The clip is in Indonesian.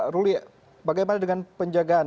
masih berdekat di lokasi ataupun berada di tempat tersebut